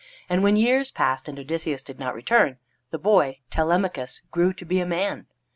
And when years passed and Odysseus did not return, the boy, Telemachus, grew to be a man.